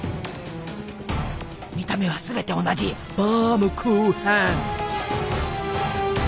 見た目はすべて同じバームクーヘン。